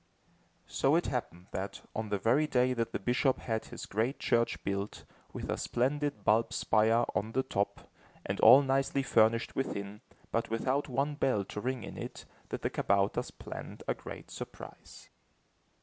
So it happened that, on the very day that the bishop had his great church built, with a splendid bulb spire on the top, and all nicely furnished within, but without one bell to ring in it, that the kabouters planned a great surprise.